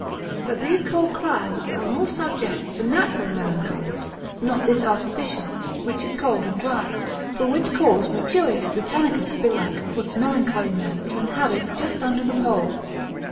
But these cold climes are more subject to natural melancholy (not this artificial) which is cold and dry: for which cause Mercurius Britannicus belike puts melancholy men to inhabit just under the Pole.